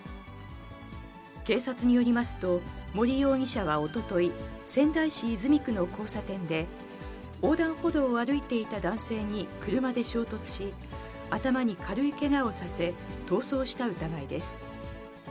警察によりますと、森容疑者はおととい、仙台市泉区の交差点で、横断歩道を歩いていた男性に、車で衝突し、頭に軽いけがをさせ、逃走した疑いです。